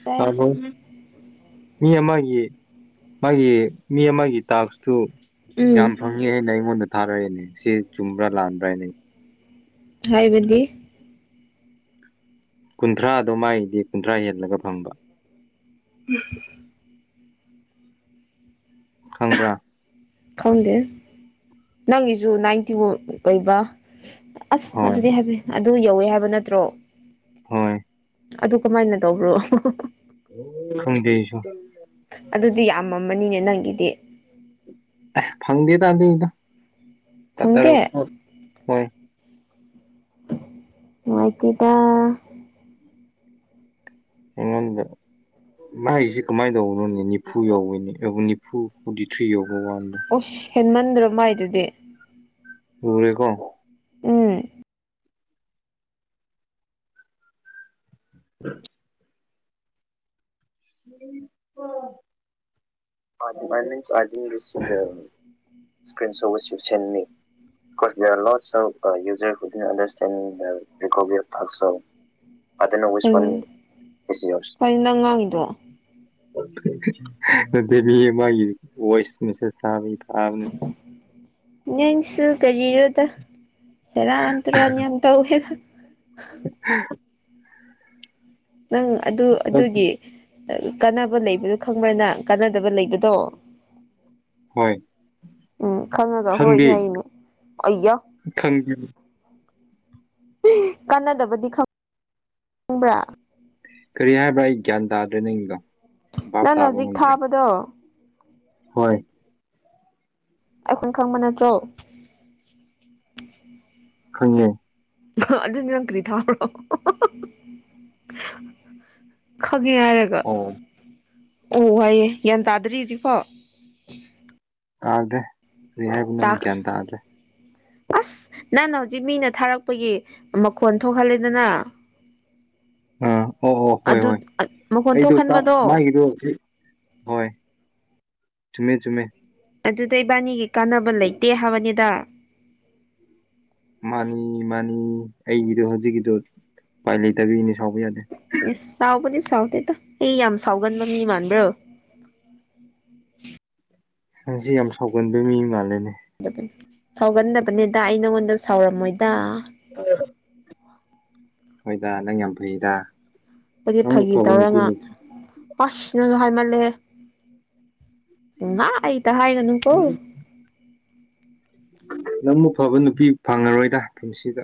ꯇꯥꯏ ꯊꯕꯣ ꯃꯤ ꯑꯃꯒꯤ ꯃꯥꯒꯤ ꯃꯤ ꯑꯃꯒꯤ ꯇꯥꯛꯁꯇꯨ ꯎꯝ ꯌꯥꯝ ꯐꯪꯉꯦ ꯑꯩꯅ ꯑꯩꯉꯣꯟꯗ ꯊꯥꯔꯛꯏꯅꯦ ꯁꯤ ꯆꯨꯝꯕ꯭ꯔꯥ ꯂꯥꯟꯕ꯭ꯔꯥꯅꯦ ꯑꯩ ꯍꯥꯏꯕꯗꯤ ꯀꯨꯟꯊ꯭ꯔꯥꯗꯣ ꯃꯥꯏꯗꯤ ꯀꯨꯟꯊ꯭ꯔꯥ ꯍꯦꯜꯂꯒ ꯐꯪꯕ ꯈꯪꯕ꯭ꯔꯥ ꯈꯪꯗꯦ ꯅꯪꯒꯤꯁꯨ ꯅꯥꯏꯟꯇꯤꯕꯨ ꯑꯣꯏꯕ ꯑꯁ ꯍꯣꯏ ꯑꯗꯨꯗꯤ ꯍꯥꯏ ꯑꯗꯨ ꯌꯧꯋꯦ ꯍꯥꯏꯕ ꯅꯠꯇ꯭ꯔꯣ ꯍꯣꯏ ꯑꯗꯨ ꯀꯃꯥꯏꯅ ꯇꯧꯕ꯭ꯔꯣ ꯈꯪꯗꯁꯨ ꯑꯗꯨꯗꯤ ꯌꯥꯝꯃꯃꯅꯤꯅꯦ ꯅꯪꯒꯤꯗꯤ ꯑꯦ ꯐꯪꯗꯦ ꯇꯥꯗꯗꯣ ꯐꯪꯗꯦ ꯍꯣꯏ ꯃꯥꯏ ꯇꯗ ꯏꯉꯗ ꯃꯥꯏꯒꯤꯁꯤ ꯀꯃꯥꯏ ꯌꯧꯕꯅꯣꯅꯦ ꯅꯤꯐꯨ ꯌꯧꯋꯦꯅꯦ ꯑ ꯅꯤꯐꯨ ꯐꯣꯔꯇꯤ ꯊ꯭ꯔꯤ ꯌꯧꯕ ꯋꯥꯟꯅꯦ ꯎꯁ ꯍꯦꯟꯃꯟꯗ꯭ꯔꯣ ꯃꯥꯏꯗꯨꯗꯤ ꯎꯔꯀꯣ ꯎꯝ ꯎꯝ ꯎꯝ ꯃ ꯑꯣꯁꯤ ꯆꯦ ꯀꯁ ꯂ ꯁ ꯌꯨꯖꯔꯗꯤ ꯑꯟꯗꯔꯁꯇꯦꯟꯀꯣꯕꯤꯔ ꯊꯥꯛ ꯀꯗ ꯑ ꯉꯥꯡꯉꯤꯗꯣ ꯑꯗꯨ ꯃꯤ ꯃꯥꯒꯤ ꯚꯣꯏꯁ ꯃꯦꯁꯦꯁ ꯇꯥꯕꯗ ꯑꯥꯎꯅꯦ ꯅꯪꯁꯨ ꯀꯔꯤꯔꯣꯗ ꯁꯦꯔꯥꯟ ꯇꯨꯔꯥꯟ ꯌꯥꯝ ꯇꯧꯋꯦ ꯎꯝ ꯅꯪ ꯑꯗꯨ ꯑꯗꯨꯒꯤ ꯀꯥꯟꯅꯕ ꯂꯩꯕꯗꯣ ꯈꯪꯕ꯭ꯔꯅꯤꯅ ꯀꯥꯟꯅꯗꯕ ꯂꯩꯕꯗꯣ ꯍꯣꯏ ꯎꯝ ꯈꯪꯉꯒ ꯍꯣꯏ ꯈꯪꯗꯦ ꯌꯥꯏꯅꯦ ꯑꯌꯥ ꯈꯪꯗꯦ ꯀꯥꯟꯅꯗꯕꯗꯤ ꯈ ꯈꯪꯕ꯭ꯔꯥ ꯀꯔꯤ ꯍꯥꯏꯕ꯭ꯔꯥ ꯑꯩ ꯒ꯭ꯌꯥꯟ ꯇꯥꯗ꯭ꯔꯦ ꯅꯪꯒꯣ ꯅꯪ ꯍꯧꯖꯤꯛ ꯊꯥꯕꯗꯣ ꯍꯣꯏ ꯑꯩꯈꯣꯏ ꯈꯪꯕ ꯅꯠꯇ꯭ꯔꯣ ꯈꯪꯉꯦ ꯑꯗꯨꯗꯤ ꯅꯒ ꯀꯔꯤ ꯊꯥꯕꯔꯣ ꯈꯪꯉꯦ ꯍꯥꯏꯔꯒ ꯑꯣ ꯑꯣ ꯍꯥꯏꯏꯌꯦꯦ ꯒ꯭ꯌꯥꯟ ꯇꯥꯗ꯭ꯔꯤ ꯍꯧꯖꯤꯛꯐꯣ ꯑꯥꯗꯦ ꯀꯔꯤ ꯍꯥꯏꯕꯅꯣ ꯑꯩ ꯒ꯭ꯌꯥꯟ ꯇꯥꯈ꯭ꯔꯦ ꯇꯥꯑꯒꯦ ꯑꯁ ꯅꯪꯅ ꯍꯧꯖꯤꯛ ꯃꯤꯅ ꯊꯥꯔꯛꯄꯒꯤ ꯃꯈꯣꯟ ꯊꯣꯛꯍꯜꯂꯦꯗꯅ ꯑꯥ ꯑꯣ ꯑꯣ ꯍꯣꯏ ꯑꯗꯨ ꯍꯣꯏ ꯃꯈꯣꯟ ꯑꯩꯗꯣ ꯊꯣꯛꯍꯟꯕꯗꯣ ꯃꯥꯒꯤꯗꯣ ꯍꯣꯏ ꯆꯨꯝꯃꯦ ꯆꯨꯝꯃꯦ ꯑꯗꯨꯗ ꯏꯕꯥꯅꯤꯒꯤ ꯀꯥꯟꯅꯕ ꯂꯩꯇꯦ ꯍꯥꯏꯕꯅꯤꯗ ꯃꯥꯅꯤ ꯃꯥꯅꯤ ꯑꯩꯒꯤꯗꯣ ꯍꯧꯖꯤꯛꯀꯤꯗꯣ ꯎꯄꯥꯏ ꯂꯩꯇꯕꯩꯅꯤ ꯁꯥꯎꯕ ꯌꯥꯗꯦ ꯢꯁ ꯁꯥꯎꯕꯅꯤ ꯁꯥꯎꯗꯦꯗ ꯑꯩ ꯌꯥꯝ ꯁꯥꯎꯒꯟꯕ ꯃꯤ ꯃꯥꯟꯕ꯭ꯔꯣ ꯅꯪꯖꯦ ꯌꯥꯝ ꯁꯥꯎꯒꯟꯕ ꯃꯤ ꯃꯥꯜꯂꯦꯅꯦ ꯁꯥꯎꯒꯟꯗꯕꯅꯦꯗ ꯑꯩ ꯅꯪꯉꯣꯟꯗ ꯁꯥꯎꯔꯝꯃꯣꯏꯗ [inaudible] ꯍꯣꯏꯗ ꯅꯪ ꯌꯥꯝ ꯐꯩꯗ ꯑꯩꯗꯤ ꯅꯪ ꯐꯥꯒꯤ ꯑꯐꯕ ꯅꯨꯄꯤ ꯇꯧꯔꯒ ꯂꯩꯇ꯭ꯔꯦ ꯑꯁ ꯅꯪ ꯍꯥꯏꯃꯜꯂꯦꯍ ꯄꯨꯡꯌꯥꯢꯇ ꯍꯥꯏꯒꯅꯨ ꯀꯣ ꯅꯪ ꯅꯪꯃꯨꯛ ꯐꯕ ꯅꯨꯄꯤ ꯐꯪꯉꯔꯣꯏꯗ ꯄꯨꯟꯁꯤꯗ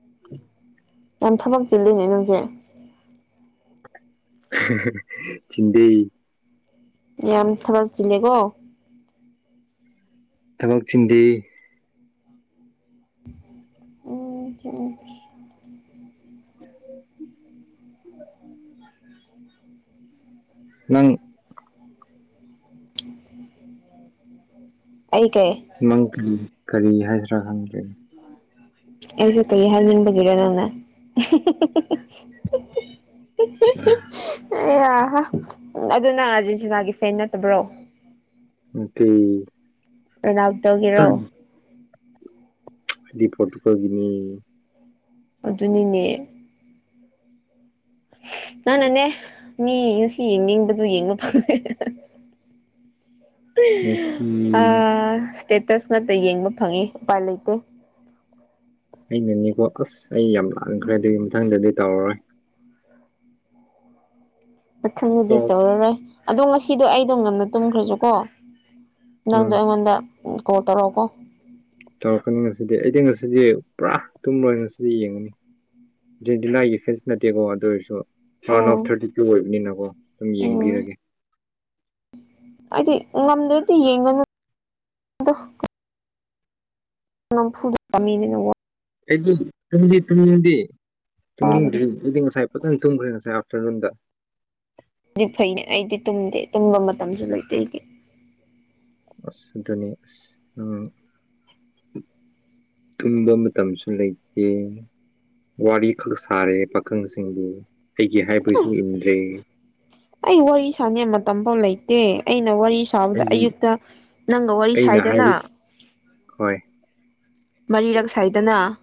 [inaudible] ꯌꯥꯝ ꯊꯕꯛ ꯆꯤꯜꯂꯤꯅꯦ ꯅꯪꯖꯦ ꯆꯤꯟꯗꯦ ꯌꯥꯝ ꯊꯕꯛ ꯆꯤꯜꯂꯦꯀꯣ ꯊꯕꯛ ꯆꯤꯟꯗꯦ [unintelligible] ꯅꯪ ꯑꯩ ꯀꯩ ꯅꯪ ꯀꯔꯤ ꯀꯔꯤ ꯍꯥꯏꯁꯤ꯭ꯔꯥ ꯈꯪꯗ꯭ꯔꯦꯅꯦ ꯑꯦꯖꯦ ꯀꯔꯤ ꯍꯥꯢꯅꯤꯡꯕꯒꯤꯔ ꯅꯪꯅ ꯑꯗꯨ ꯅꯪ ꯑꯥꯔꯖꯦꯟꯇꯤꯅꯥꯒꯤ ꯐꯦꯟ ꯅꯠꯇꯕ꯭ꯔꯣ ꯅꯠꯇꯦ ꯔꯣꯅꯥꯜꯗꯣꯒꯤꯔꯣ ꯑꯩꯗꯤ ꯄꯣꯔꯇꯨꯀꯒꯜꯒꯤꯅꯦ ꯑꯗꯨꯅꯤꯅꯦ ꯅꯪꯅꯅꯦ ꯃꯤ ꯉꯁꯣ ꯌꯦꯡꯅꯤꯡꯕꯗꯨ ꯌꯦꯡꯕ ꯐꯪ ꯃꯦꯁꯤ ꯑꯥꯁ ꯆꯦꯇꯁ ꯉꯥꯛꯇ ꯌꯦꯡꯕ ꯐꯪꯉꯦ ꯎꯄꯥꯏ ꯂꯩꯇꯦ ꯑꯩꯅꯦꯀꯣ ꯑꯁ ꯑꯩ ꯌꯥꯝ ꯂꯥꯟꯈ꯭ꯔꯦ ꯑꯗꯨꯒꯤ ꯃꯊꯪꯗꯗꯤ ꯇꯧꯔꯔꯣꯏ [inaudible] ꯁꯣ ꯃꯊꯪꯗꯗꯤ ꯇꯧꯔꯔꯣꯏ ꯑꯗꯣ ꯉꯁꯤꯗꯣ ꯑꯩꯗꯣ ꯉꯟꯅ ꯇꯨꯝꯈ꯭ꯔꯁꯨꯀꯣ ꯅꯪꯗꯣ ꯎꯝ ꯑꯩꯉꯣꯟꯗ ꯀꯣꯜ ꯇꯧꯔꯛꯑꯣꯀꯣ ꯇꯧꯔꯛꯀꯅꯤ ꯉꯁꯤꯗꯤ ꯑꯩꯗꯤ ꯉꯁꯤꯗꯤ ꯄꯨꯔꯥ ꯇꯨꯝꯔꯣꯏ ꯉꯁꯤꯗꯤ ꯌꯦꯡꯒꯅꯤ ꯑꯔꯖꯦꯟꯇꯤꯅꯥꯒꯤ ꯐꯦꯁ ꯅꯠꯇꯦꯀꯣ ꯑꯗꯨ ꯑꯣꯏꯔꯁꯨ ꯔꯥꯟꯗ ꯑꯣ ꯑꯣꯐ ꯊꯥꯔꯇꯤ ꯇꯨ ꯑꯣꯏꯕꯅꯤꯅꯀꯣ ꯑꯗꯨꯝ ꯌꯦꯡꯕꯤꯔꯒꯦ ꯑꯩꯗꯤ ꯅꯝꯗꯗꯤ [unintelligible] ꯗꯣ ꯅꯝꯐꯨꯗ [unintelligible] ꯑꯩꯗꯤ ꯇꯨꯝꯗꯤ ꯇꯨꯡꯅꯤꯡꯗꯦ ꯇꯨꯡꯅꯤꯡꯗ꯭ꯔꯤ ꯋꯥꯕꯅꯦ ꯑꯩꯗꯤꯉꯁꯥꯢ ꯐꯖꯟ ꯇꯨꯝꯈ꯭ꯔꯦ ꯁꯔꯥꯢ ꯑꯥꯐꯇꯔꯅꯨꯟꯗ ꯑꯗꯨꯗꯤ ꯐꯩꯅꯦ ꯑꯩꯗꯤ ꯇꯨꯝꯗꯦ ꯇꯨꯝꯕ ꯃꯇꯝꯁꯨ ꯂꯩꯇꯦ ꯑꯩꯒꯤ ꯑꯁ ꯑꯗꯨꯅꯦ ꯑꯁ ꯅꯪ ꯇꯨꯝꯕ ꯃꯇꯝꯁꯨ ꯂꯩꯇꯦ ꯋꯥꯔꯤꯈꯛ ꯁꯥꯔꯦ ꯄꯥꯈꯪꯁꯤꯡꯕꯨ ꯑꯩꯒꯤ ꯍꯥꯏꯕꯩꯁꯨ ꯏꯟꯗ꯭ꯔꯦ ꯑꯩ ꯋꯥꯔꯤꯁꯥꯅꯤꯡꯉꯥꯢ ꯃꯇꯝꯕꯧ ꯂꯩꯇꯦ ꯑꯩꯅ ꯋꯥꯔꯤ ꯁ ꯁꯥꯕꯗ ꯑꯩꯒꯤ ꯑꯌꯨꯛꯇ ꯅꯪꯒ ꯋꯥꯔꯤ ꯑꯩꯅ ꯁꯥꯏꯗꯅ ꯍꯥꯏꯕ ꯍꯣꯏ ꯃꯔꯤꯔꯛ ꯁꯥꯏꯗꯅ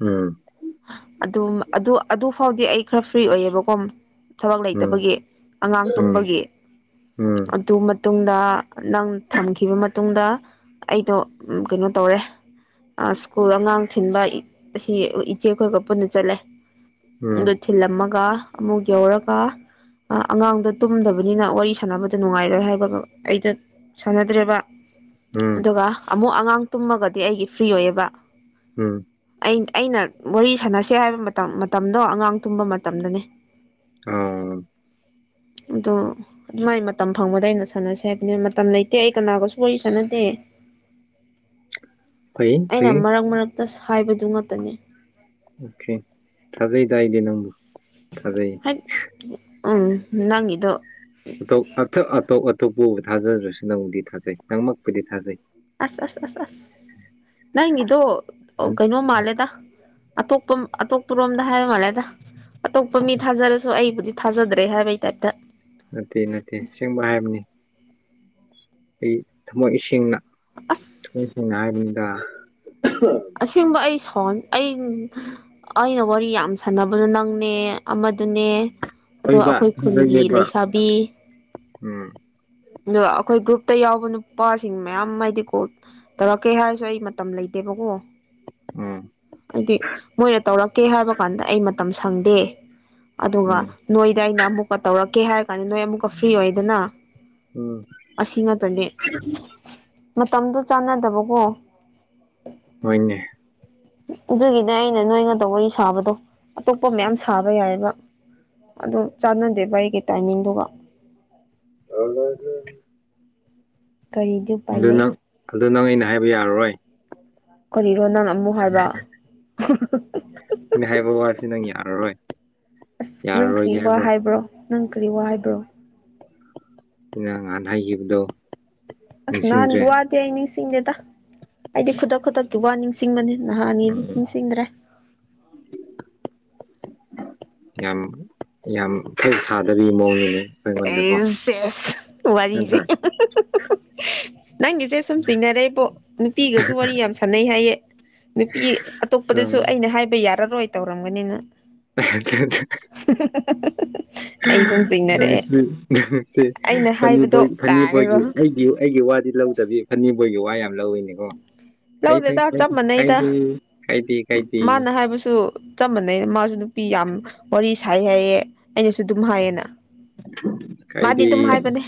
ꯎꯝ ꯑꯗꯨꯝ ꯑꯗꯨ ꯑꯗꯨ ꯐꯥꯎꯗꯤ ꯑꯩ ꯈꯔ ꯐ꯭ꯔꯤ ꯑꯣꯏꯌꯦꯕꯀꯣ ꯊꯕꯛ ꯎꯝ ꯂꯩꯇꯕꯒꯤ ꯑꯉꯥꯡ ꯎꯝ ꯇꯨꯝꯕꯒꯤ ꯎꯝ ꯑꯗꯨ ꯃꯇꯨꯡꯗ ꯅꯪ ꯊꯝꯈꯤꯕ ꯃꯇꯨꯡꯗ ꯑꯩꯗꯣ ꯀꯩꯅꯣ ꯇꯧꯔꯦ ꯁ꯭ꯀꯨꯜ ꯑꯉꯥꯡ ꯊꯤꯟꯕ ꯑꯁꯤ ꯏꯆꯦ ꯑꯩꯈꯣꯏꯒ ꯄꯨꯟꯅ ꯆꯠꯂꯦ ꯎꯝ ꯑꯗꯨ ꯊꯤꯜꯂꯝꯃꯒ ꯑꯃꯨꯛ ꯌꯧꯔꯒ ꯑ ꯑꯉꯥꯡꯗꯣ ꯇꯨꯝꯗꯕꯅꯤꯅ ꯋꯥꯔꯤ ꯁꯥꯟꯅꯕꯗ ꯅꯨꯡꯉꯥꯏꯔꯣꯏ ꯍꯥꯏꯕ꯭ꯔ ꯑꯩꯗꯣ ꯁꯥꯟꯅꯗ꯭ꯔꯦꯕ ꯎꯝ ꯑꯗꯨꯒ ꯑꯃꯨꯛ ꯑꯉꯥꯡ ꯇꯨꯝꯃꯒꯗꯤ ꯑꯩꯗꯤ ꯐ꯭ꯔꯤ ꯑꯣꯏꯌꯦꯕ ꯎꯝ ꯑꯩ ꯑꯩꯅ ꯋꯥꯔꯤ ꯁꯥꯟꯅꯁꯦ ꯍꯥꯏꯕ ꯃꯇꯝ ꯃꯇꯝꯗꯣ ꯑꯉꯥꯡ ꯇꯨꯝꯕ ꯃꯇꯝꯗꯅꯦ ꯑꯣ ꯑꯗꯣ ꯑꯗꯨ ꯃꯥꯏ ꯃꯇꯝ ꯐꯪꯕꯗ ꯑꯩꯅ ꯁꯥꯟꯅꯁꯦ ꯍꯥꯏꯕꯅꯤ ꯃꯇꯝ ꯂꯩꯇꯦ ꯑꯩ ꯀꯅꯥꯒꯁꯨ ꯋꯥꯔꯤ ꯁꯥꯟꯅꯗꯦ ꯐꯩ ꯑꯩꯅ ꯐꯩ ꯃꯔꯛ ꯃꯔꯛꯇ ꯍꯥꯏꯕꯗꯨ ꯉꯥꯛꯇꯅꯤ ꯑꯣꯀꯦ ꯊꯖꯩꯇꯥ ꯑꯩꯗꯤ ꯅꯪꯕꯨ ꯊꯖꯩ ꯎꯝ ꯅꯪꯒꯤꯗꯣ ꯑꯇꯣꯞ ꯑꯇꯣꯞꯄ ꯊꯥꯖꯗ꯭ꯔꯁꯨ ꯅꯪꯕꯨꯗꯤ ꯊꯥꯖꯩ ꯅꯪꯃꯛꯄꯨꯗꯤ ꯊꯥꯖꯩ ꯑꯁ ꯑꯁ ꯑꯁ ꯑꯁ ꯅꯪꯒꯤꯗꯣ ꯀꯩꯅꯣ ꯃꯥꯜꯂꯦꯗ ꯑꯇꯣꯞꯄ ꯑꯇꯣꯞꯄꯔꯣꯝꯗ ꯍꯥꯏ ꯃꯥꯜꯂꯦꯗ ꯑꯇꯣꯞꯄ ꯃꯤ ꯊꯥꯖꯔꯁꯨ ꯑꯩꯕꯨꯗꯤ ꯊꯥꯖꯗ꯭ꯔꯦ ꯍꯥꯏꯕꯒꯤ ꯇꯥꯏꯞꯇ ꯅꯠꯇꯦ ꯅꯠꯇꯦ ꯑꯁꯦꯡꯕ ꯍꯥꯏꯕꯅꯤ ꯑꯩ ꯊꯃꯣꯏ ꯁꯦꯡꯅ ꯊꯃꯣꯏ ꯁꯦꯡꯅ ꯍꯥꯏꯕꯅꯤꯗ ꯑꯁꯦꯡꯕ ꯑꯩ ꯁꯣꯟ ꯑꯩ ꯑꯩꯅ ꯋꯥꯔꯤ ꯌꯥꯝ ꯁꯥꯟꯅꯕꯗꯨ ꯅꯪꯅꯦ ꯑꯃꯗꯨꯅꯦ ꯑꯗꯣ ꯍꯣꯏꯕ ꯑꯩꯈꯣꯏ ꯈꯨꯟꯒꯤ ꯊꯥꯖꯩꯌꯦꯕ ꯂꯩꯁꯥꯕꯤ ꯎꯝ ꯑ ꯑꯩꯈꯣꯏ ꯒ꯭ꯔꯨꯞꯇ ꯌꯥꯎꯕ ꯅꯨꯄꯥꯁꯤꯡ ꯃꯌꯥꯝ ꯍꯥꯏꯗꯤꯀꯣ ꯇꯧꯔꯛꯀꯦ ꯍꯥꯏꯔꯁꯨ ꯑꯩ ꯃꯇꯝ ꯂꯩꯇꯦꯕꯀꯣ ꯎꯝ ꯍꯥꯏꯗꯤ ꯃꯣꯏꯅ ꯇꯧꯔꯛꯀꯦ ꯍꯥꯏꯕ ꯀꯥꯟꯗ ꯑꯩ ꯃꯇꯝ ꯁꯪꯗꯦ ꯑꯗꯨꯒ ꯎꯝ ꯅꯣꯏꯗ ꯑꯩꯅ ꯑꯃꯨꯛꯀ ꯇꯧꯔꯛꯀꯦ ꯍꯥꯏꯔ ꯀꯥꯟꯗ ꯅꯣꯏ ꯑꯃꯨꯛꯀ ꯐ꯭ꯔꯤ ꯑꯣꯏꯗꯅ ꯎꯝ ꯑꯁꯤ ꯉꯥꯛꯇꯅꯦ ꯃꯇꯝꯗꯣ ꯆꯥꯟꯅꯗꯕꯀꯣ ꯍꯣꯢꯅꯦ ꯑꯗꯨꯒꯤꯅꯦ ꯑꯩꯅ ꯅꯣꯏ ꯉꯥꯛꯇ ꯋꯥꯔꯤ ꯁꯥꯕꯗꯣ ꯑꯇꯣꯞꯄ ꯃꯌꯥꯝ ꯁꯥꯕ ꯌꯥꯏꯑꯦꯕ ꯑꯗꯨꯝ ꯆꯥꯟꯅꯗꯦ ꯕꯥ ꯑꯩꯒꯤ ꯇꯥꯏꯃꯤꯡꯗꯨꯒ ꯑꯗꯨꯗꯤ [inaudible] ꯀꯔꯤ ꯑꯗꯨ ꯅꯪ ꯑꯗꯨ ꯅꯪ ꯑꯩꯅ ꯍꯥꯏꯕ ꯌꯥꯔꯔꯣꯏ ꯀꯔꯤꯅꯣ ꯅꯪꯅ ꯑꯃꯨꯛ ꯍꯥꯏꯕ ꯑꯩꯅ ꯍꯥꯏꯕ ꯋꯥꯁꯤ ꯅꯪ ꯌꯥꯔꯔꯣꯏ ꯑꯁ ꯅꯪ ꯀꯔꯤ ꯋꯥ ꯍꯥꯏꯕ꯭ꯔꯣ ꯅꯪ ꯀꯔꯤ ꯋꯥ ꯍꯥꯏꯕ꯭ꯔꯣ ꯑꯩꯅ ꯅꯍꯥꯜ ꯍꯥꯢꯈꯤꯕꯗꯣ ꯑꯁ ꯅꯍꯥꯟꯒꯤ ꯋꯥꯗꯦ ꯑꯩ ꯅꯤꯡꯁꯤꯡꯗꯦꯗ ꯑꯩꯗꯤ ꯈꯨꯗꯛ ꯈꯨꯗꯛ ꯋꯥ ꯅꯤꯡꯁꯤꯡꯕꯅꯤ ꯅꯍꯥ ꯑꯅꯤꯗꯤ ꯎꯝ ꯅꯤꯡꯁꯤꯡꯗ꯭ꯔꯦ ꯌꯥꯝ ꯌꯥꯝ ꯐꯦꯛ ꯁꯥꯗꯕꯤ ꯃꯑꯣꯡꯅꯤꯅꯦ ꯑꯩꯉꯣꯟꯗꯀꯣ ꯑꯦꯁ ꯁꯤꯁ ꯋꯥꯔꯤꯁꯦ ꯅꯠꯇ꯭ꯔꯥ ꯅꯪꯒꯤꯗꯣ ꯁꯨꯝ ꯆꯤꯡꯅꯔꯦꯕꯣ ꯅꯨꯄꯤꯒꯁꯨ ꯋꯥꯔꯤ ꯌꯥꯝ ꯁꯥꯟꯅꯩ ꯍꯥꯏꯌꯦ ꯅꯨꯄꯤ ꯑꯇꯣꯞꯄꯗꯁꯨ ꯎꯝ ꯑꯩꯅ ꯍꯥꯏꯕ ꯌꯥꯔꯔꯣꯏ ꯇꯧꯔꯝꯒꯅꯤ ꯅꯪ ꯑꯩ ꯁꯨꯝ ꯆꯁꯤꯡꯅꯔꯦ ꯐꯅꯤꯏ ꯇꯥꯔꯒ ꯐꯅꯤꯕꯣꯏꯒꯤ ꯑꯩ ꯑꯩꯒꯤ ꯋꯥꯗꯤ ꯂꯧꯗꯕꯤ ꯐꯅꯕꯣꯏꯒꯤ ꯋꯥ ꯌꯥꯝ ꯂꯧꯋꯤꯅꯦꯀꯣ ꯐꯩ ꯐꯩ ꯂꯧꯗꯦꯗ ꯆꯞ ꯃꯥꯟꯅꯩꯗ ꯀꯥꯏꯗꯦ ꯀꯥꯏꯗꯦ ꯀꯥꯏꯗꯦ ꯃꯥꯅ ꯍꯥꯏꯕꯁꯨ ꯆꯝꯕꯅꯩ ꯃꯥꯁꯨ ꯅꯨꯄꯤ ꯌꯥꯝ ꯋꯥꯔꯤ ꯁꯥꯏ ꯍꯥꯏꯌꯦ ꯑꯩꯅꯁꯨ ꯑꯗꯨꯝ ꯍꯥꯏꯌꯦꯅ ꯃꯥꯗꯤ ꯀꯥꯏꯗꯦ ꯑꯗꯨꯝ ꯍꯥꯏꯕꯅꯦ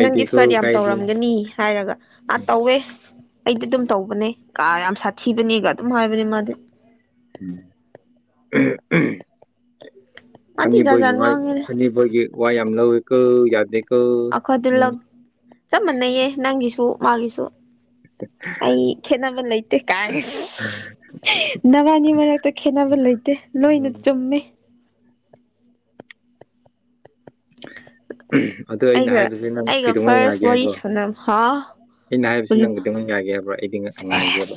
ꯅꯪꯗꯤ ꯐꯠ ꯌꯥꯝ ꯀꯥꯏꯗꯦ ꯇꯧꯔꯝꯒꯅꯤ ꯍꯥꯏꯔꯒ ꯑꯥ ꯎꯝ ꯇꯧꯋꯦ ꯑꯩꯗꯤ ꯑꯗꯨꯝ ꯇꯧꯕꯅꯦ ꯀ ꯌꯥꯝ ꯁꯥꯊꯤꯕꯅꯦꯒ ꯑꯗꯨꯝ ꯍꯥꯏꯕꯅꯦ ꯃꯥꯗꯤ ꯎ ꯃꯥꯗꯤ ꯖꯥꯠ ꯐꯅꯤꯕꯣꯏ ꯖꯥꯠ ꯅꯨꯡꯉꯥꯏ ꯉꯥꯡꯉꯦꯗ ꯐꯅꯤ ꯒꯤ ꯋꯥ ꯌꯥꯝꯅ ꯌꯥꯗꯅꯦꯅꯤ ꯑꯩꯈꯣꯏ ꯇꯤꯜꯂꯛ ꯆꯞ ꯃꯥꯟꯅꯩꯌꯦ ꯅꯪꯒꯤꯁꯨ ꯃꯥꯒꯤꯁꯨ ꯑ ꯑꯩ ꯈꯦꯅꯕꯜ ꯂꯩ ꯇ ꯀꯥꯏ ꯅꯕꯥꯅꯤ ꯃꯔꯛꯇ ꯈꯦꯠꯅꯕ ꯂꯩꯇꯦ ꯂꯣꯏꯅ ꯎꯝ ꯆꯨꯝꯃꯦ ꯑꯗ ꯑꯩꯅ ꯑꯩꯒ ꯍꯥꯏꯕꯁꯦ ꯅꯪ ꯑꯩꯒ ꯀꯩꯗꯧꯉꯥꯏ ꯐꯥꯔꯁ ꯉꯥꯏꯒꯦ ꯋꯥꯔꯤ ꯍꯥꯏꯕꯣ ꯍꯥ ꯑꯩꯅ ꯍꯥꯏꯕꯁꯤ ꯅꯪꯕꯨꯗꯤꯡꯃꯛ ꯌꯥꯒꯦ ꯍꯥꯏꯕ꯭ꯔꯣ ꯑꯩꯗꯤ ꯉꯥꯏꯒꯦꯕ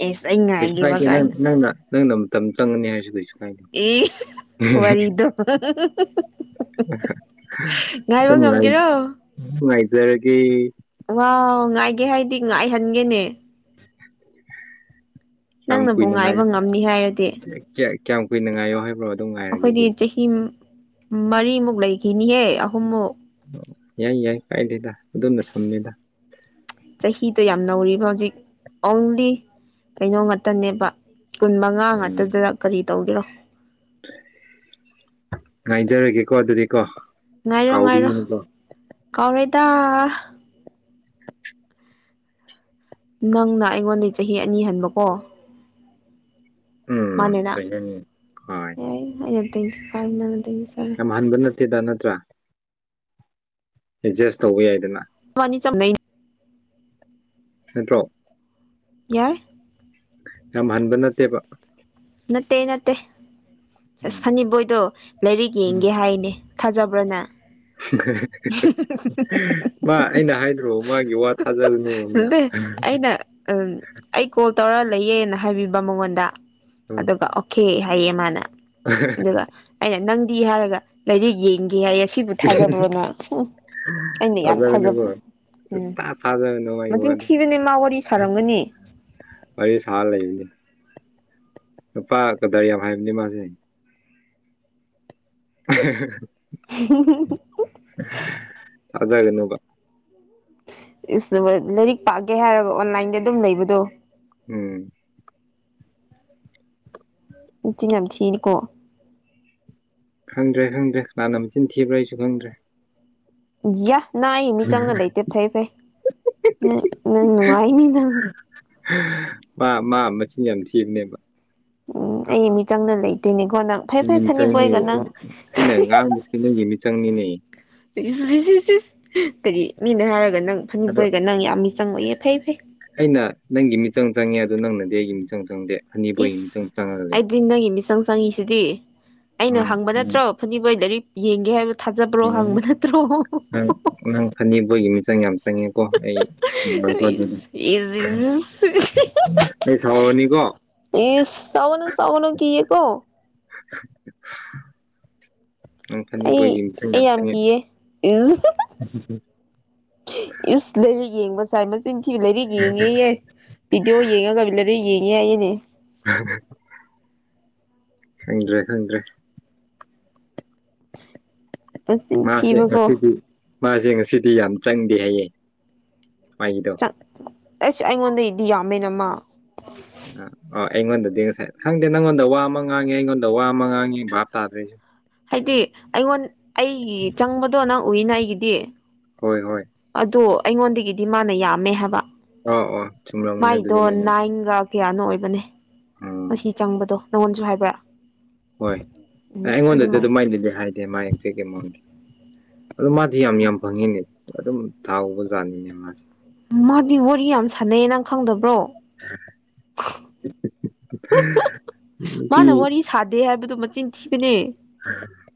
ꯑꯦꯁ ꯑꯩ ꯀꯩꯁꯨ ꯉꯥꯏꯒꯦꯕ ꯍꯥꯏꯥꯏꯗꯦ ꯅꯪ ꯀꯥꯏꯅ ꯅꯪꯅ ꯅꯪꯅ ꯃꯇꯝ ꯆꯪꯒꯅꯤ ꯍꯥꯏꯔꯁꯨ ꯀꯁꯨ ꯑꯦ ꯋꯥꯔꯤꯗꯣ ꯉꯥꯏꯕ ꯉꯝꯒꯦꯔꯣ ꯎ ꯃꯥꯏꯖꯔꯦꯒ ꯋꯥ ꯉꯥꯏꯒꯦ ꯍꯥꯏꯗꯤ ꯉꯥꯏꯍꯟꯒꯦꯅꯦ ꯀꯌꯥꯝ ꯅꯪꯅꯕꯨ ꯀꯨꯏꯅ ꯉꯥꯏ ꯉꯥꯏꯕ ꯉꯝꯅꯤ ꯍꯥꯏꯔꯗꯤ ꯀꯌꯥꯝ ꯀꯨꯏꯅ ꯉꯥꯏꯌꯣ ꯍꯥꯏꯕ꯭ꯔꯣ ꯑꯗꯨꯝ ꯑꯩꯈꯣꯏꯗꯤ ꯉꯥꯏꯔꯒꯦꯗꯤ ꯆꯍꯤ ꯃꯔꯤꯃꯨꯛ ꯂꯩꯈꯤꯅꯤꯍꯦ ꯑꯍꯨꯝꯃꯨꯛ ꯑꯣ ꯌꯥꯏ ꯌꯥꯏ ꯀꯥꯏꯗꯦꯗ ꯑꯗꯨꯣꯝꯅ ꯁꯝꯅꯤꯗ ꯆꯍꯤꯗꯣ ꯌꯥꯝ ꯅꯧꯔꯤꯕ ꯍꯧꯖꯤꯛ ꯑꯣꯡꯂꯤ ꯀꯩꯅꯣ ꯉꯥꯛꯇꯅꯦꯕ ꯀꯨꯟ ꯃꯉꯥ ꯎꯝ ꯉꯥꯛꯛꯇꯗꯗ ꯀꯔꯤ ꯇꯧꯒꯔꯣ ꯉꯥꯏꯖꯔꯒꯦꯀꯣ ꯑꯗꯨꯗꯤꯀꯣ ꯉꯥꯏꯔꯣ ꯉꯥꯏꯔꯣ ꯀꯥꯎꯕꯤꯒꯅꯨꯀꯣ ꯀꯥꯎꯔꯦꯗ ꯅꯪꯅ ꯑꯩꯉꯣꯟꯗꯩ ꯆꯍꯤ ꯑꯅꯤ ꯍꯟꯕꯀꯣ ꯎꯝ ꯃꯅꯦꯅ ꯆꯩꯅꯅꯤ ꯍꯣꯏ [unintelligible] ꯃꯍꯟꯕ ꯅꯠꯇꯦꯗ ꯅꯠꯇ꯭ꯔꯥ ꯑꯦꯗꯖꯁ ꯇꯧꯕ ꯌꯥꯏꯗꯅ ꯅꯕꯥꯅꯤ ꯆꯞ ꯃꯥꯟꯅꯩꯌꯦ ꯁꯤꯟꯇ꯭ꯔꯣ ꯌꯥꯏ ꯌꯥꯝ ꯍꯟꯕ ꯅꯠꯇꯦꯕ ꯅꯠꯇꯦ ꯅꯠꯇꯦ ꯑꯁ ꯐꯅꯤꯕꯣꯏꯗꯣ ꯂꯥꯏꯔꯤꯛ ꯎꯝ ꯌꯦꯡꯒꯦ ꯍꯥꯏꯅꯦ ꯊꯥꯖꯕ꯭ꯔꯅꯦ [unintelligible] [inaudible] ꯃꯥ ꯑꯩꯅ ꯍꯥꯏꯗ꯭ꯔꯣ ꯃꯥꯒꯤ ꯋꯥ ꯊꯥꯖꯔꯨꯅꯨꯅ ꯎꯝ ꯑꯩ ꯀꯣꯜ ꯇꯧꯔ ꯂꯩꯌꯦꯅ ꯍꯥꯏꯕꯤꯕ ꯃꯉꯣꯟꯗ ꯎꯝ ꯑꯗꯨꯒ ꯑꯣꯈꯦ ꯍꯥꯏꯌꯦ ꯃꯥꯅ ꯑꯗꯨꯒ ꯑꯩꯅ ꯅꯪꯗꯤ ꯍꯥꯏꯔꯒ ꯂꯥꯏꯔꯤꯛ ꯌꯦꯡꯒꯦ ꯍꯥꯏꯌꯦ ꯁꯤꯕꯨ ꯊꯥꯖꯕ꯭ꯔꯣ ꯅꯪ ꯎ ꯑꯩꯅ ꯌꯥꯝ ꯊꯥꯖꯒꯅꯨꯀꯣ ꯊꯥꯖꯕ꯭ꯔꯣ ꯎꯝ ꯁꯨꯛꯊꯥ ꯊꯥꯖꯒꯅꯨ ꯃꯥꯒꯤ ꯃꯁꯤꯡ ꯋꯥꯗꯣ ꯊꯤꯕꯅꯦ ꯃꯥ ꯋꯥꯔꯤ ꯁꯥꯔꯝꯒꯅꯤ ꯋꯥꯔꯤ ꯁꯥ ꯂꯩꯕꯅꯤ ꯅꯨꯄꯥ ꯀꯗꯥꯔ ꯌꯥꯝ ꯍꯥꯏꯕꯅꯤ ꯃꯥꯁꯦ [unintelligible] [unintelligible] ꯇꯥꯖꯒꯦꯅꯣꯕ ꯂꯥꯏꯔꯤꯛ ꯄꯥꯛꯒꯦ ꯍꯥꯏꯔꯒ ꯑꯣꯟꯂꯥꯏꯟꯗ ꯑꯗꯨꯝ ꯂꯩꯕꯗꯣ ꯎꯝ ꯎꯝ [unintelligible] ꯎꯆꯤꯟ ꯌꯥꯝ ꯊꯤꯅꯀꯣ ꯈꯪꯗ꯭ꯔꯦ ꯈꯪꯗ꯭ꯔꯦ ꯀꯟꯅꯅꯥ ꯃꯆꯤꯟ ꯊꯤꯕ꯭ꯔꯥ ꯑꯩꯁꯨ ꯈꯪꯗ꯭ꯔꯦ ꯌꯥ ꯅꯪ ꯑꯩ ꯃꯤꯆꯪꯅ ꯂꯩꯇꯦ ꯐꯩ ꯐꯩ ꯅꯪ ꯅꯨꯡꯉꯥꯏꯅꯤ ꯅꯪ ꯃꯥ ꯃꯥ ꯃꯆꯤꯟ ꯌꯥꯝ ꯊꯤꯕꯅꯦꯕ ꯎꯝ ꯑꯩꯒꯤ ꯃꯤ ꯆꯪꯗ ꯂꯩꯇꯦꯅꯦꯀꯣ ꯅꯪ ꯐꯩ ꯐꯩ ꯑꯩꯒꯤ ꯃꯤ ꯆꯪꯅꯤ ꯐꯅꯤꯕꯣꯏꯒ ꯅꯪ ꯑꯩꯅ ꯉꯥꯡꯕꯁꯦ ꯅꯪꯒꯤ ꯃꯤ ꯆꯪꯅꯤꯅꯦ ꯀꯔꯤ ꯃꯤꯅ ꯍꯥꯏꯔꯒ ꯅꯪ ꯑꯗꯣ ꯐꯅꯤꯄꯣꯏꯒ ꯅꯪ ꯌꯥꯝ ꯃꯤ ꯆꯪꯑꯣꯢꯌꯦ ꯐꯩ ꯐꯩ ꯑꯩꯅ ꯅꯪꯒꯤ ꯃꯤꯆꯪ ꯆꯪꯉꯦ ꯑꯗꯨ ꯅꯪꯅꯗꯤ ꯑꯩꯒꯤ ꯃꯤꯆꯪ ꯆꯪꯗꯦ ꯑꯅꯤꯕꯨꯒꯤ ꯃꯤꯆꯪ ꯏꯁ ꯆꯪꯉꯒ ꯂꯩ ꯑꯩꯗꯤ ꯅꯪ ꯃꯤꯆꯪ ꯍꯪꯉꯤꯁꯤꯗꯤ ꯑꯩꯅ ꯎꯝ ꯍꯪꯕ ꯎꯝ ꯅꯠꯇ꯭ꯔꯣ ꯐꯅꯤꯕꯣꯏ ꯂꯥꯏꯔꯤꯛ ꯌꯦꯡꯒꯦ ꯍꯥꯏꯕ ꯊꯥꯖꯕ꯭ꯔꯣ ꯎꯝ ꯍꯥꯡꯕ ꯅꯠꯇ꯭ꯔꯣ ꯅꯪ ꯅꯪ ꯑꯅꯦꯛꯄꯣꯏꯒꯤ ꯃꯤꯆꯪ ꯌꯥꯝ ꯆꯪꯉꯦ ꯀꯣ ꯑꯩ ꯑꯩ ꯊꯥꯎꯔꯅꯤꯀꯣ ꯏꯁ ꯁꯥꯎꯒꯅꯨ ꯁꯥꯎꯒꯅꯨ ꯀꯤꯌꯦꯀꯣ ꯅꯪ ꯐꯅꯤꯕꯣꯏꯒꯤ ꯃꯤꯆꯪ ꯌꯥꯝ ꯆꯪꯉꯦ ꯏ [unintelligible] ꯎ ꯁꯔ [unintelligible] ꯏꯁ ꯂꯥꯏꯔꯤꯛ ꯌꯦꯡꯕ ꯁꯥꯏ ꯃꯆꯤꯟ ꯊꯤꯕ ꯂꯥꯏꯔꯤꯛ ꯌꯦꯡꯉꯦꯌꯦ ꯄꯤꯗꯤꯑꯣ ꯌꯦꯡꯉꯒ ꯂꯥꯢꯔꯤꯛ ꯌꯦꯡꯉꯦ ꯍꯥꯏꯌꯦꯅꯦ ꯈꯪꯗ꯭ꯔꯦ ꯈꯪꯗ꯭ꯔꯦ ꯃꯆꯤꯟ ꯃꯥꯁꯦ ꯊꯤꯕꯀꯣ ꯉꯁꯤꯗꯤ ꯃꯥꯁꯦ ꯉꯁꯤꯗꯤ ꯌꯥꯝ ꯆꯪꯗꯦ ꯍꯥꯏꯌꯦ ꯃꯒꯤꯗꯣ ꯆꯥꯛ ꯑꯁ ꯑꯩꯉꯣꯟꯗꯗꯤ ꯌꯥꯝꯃꯦꯅꯃ ꯑ ꯍꯣꯢ ꯉꯣꯟꯗꯗꯤ ꯉꯁꯥꯏ ꯈꯪꯗꯦ ꯅꯪꯉꯣꯟꯗ ꯋꯥ ꯑꯃ ꯉꯥꯡꯉꯤ ꯑꯩꯉꯣꯟꯗ ꯋꯥ ꯑꯃ ꯉꯥꯡꯉꯤ ꯚꯥꯞ ꯇꯥꯗ꯭ꯔꯦ ꯑꯩꯁꯨ ꯍꯥꯏꯗꯤ ꯑꯩꯉꯣꯟ ꯑꯩꯒꯤ ꯆꯪꯕꯗꯣ ꯅꯪ ꯎꯏꯅ ꯑꯩꯒꯤꯗꯤ ꯍꯣꯏ ꯍꯣꯏ ꯑꯗꯣ ꯑꯩꯉꯣꯟꯗꯒꯤꯗꯤ ꯃꯥꯅ ꯌꯥꯝꯃꯦ ꯍꯥꯏꯕ ꯑꯣ ꯑꯣ ꯆꯨꯝꯂꯝꯒꯅꯤ ꯃꯥꯏꯗꯣ ꯑꯗꯨꯗꯤ ꯃꯥꯏꯅ ꯅꯥꯏꯟꯒ ꯀꯌꯥꯅꯣ ꯑꯣꯏꯕꯅꯦ ꯎꯝ ꯃꯁꯤ ꯆꯪꯕꯗꯣ ꯅꯪꯉꯣꯟꯗꯁꯨ ꯍꯥꯏꯕ꯭ꯔ ꯍꯣꯏ ꯑꯩꯉꯣꯟꯗꯗꯤ ꯑꯗꯨꯝꯥꯏꯅꯗꯤ ꯍꯥꯏꯗꯤꯦ ꯃꯥ ꯌꯦꯛꯇꯣꯏꯒꯤꯦ ꯃꯗ ꯑꯗꯨ ꯃꯥꯗꯤ ꯌꯥꯝ ꯌꯥꯝ ꯐꯪꯉꯤꯅꯦ ꯑꯗꯨꯝ ꯊꯥꯎꯕ ꯖꯥꯠꯅꯤꯅꯦ ꯃꯥꯁꯦ ꯅꯪꯗꯤ ꯋꯥꯔꯤ ꯌꯥꯝ ꯁꯥꯟꯅꯩ ꯅꯪ ꯈꯪꯗꯕ꯭ꯔꯣ ꯅꯨꯄꯤ ꯃꯥꯅ ꯋꯥꯔꯤ ꯁꯥꯗꯦ ꯍꯥꯏꯕꯗꯨ ꯃꯆꯤꯟ ꯊꯤꯕꯅꯦ ꯎꯝ [inaudible] [unintelligible]